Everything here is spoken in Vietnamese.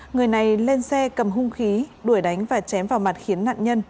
người này lên xe cầm hung khí đuổi đánh và chém vào mặt khiến nạn nhân